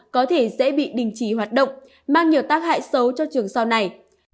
có thể sẽ bị đình trí hoạt động mang nhiều tác hại xấu cho trường sau này